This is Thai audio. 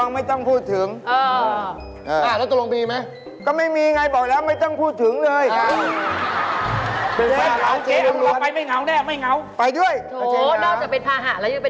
แล้วมีตังค์เหรอจ๊ะไปเที่ยวก็ต้องมีตังค์ไม่ต้องโอ้โฮเจ๊